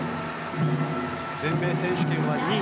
全米選手権は２位。